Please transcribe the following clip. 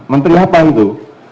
menteri apa itu